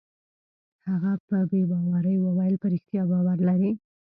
هغه په بې باورۍ وویل: په رښتیا باور لرې؟